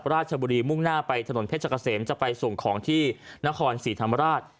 ราชบุรีมุ่งหน้าไปถนนเพชรเกษมจะไปส่งของที่นครศรีธรรมราช